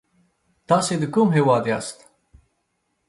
تاسې د کوم هيواد ياست؟